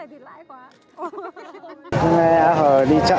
hôm nay a hờ đi chợ